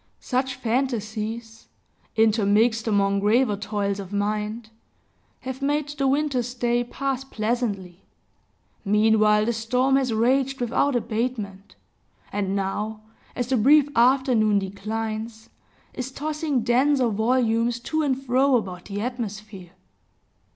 Such fantasies, intermixed among graver toils of mind, have made the winter's day pass pleasantly. Meanwhile, the storm has raged without abatement, and now, as the brief afternoon declines, is tossing denser volumes to and fro about the atmosphere.